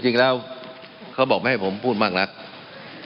มันมีมาต่อเนื่องมีเหตุการณ์ที่ไม่เคยเกิดขึ้น